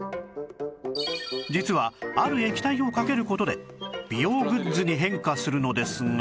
実はある液体をかける事で美容グッズに変化するのですが